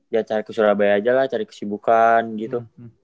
ya cari ke surabaya aja lah cari kesibukan gitu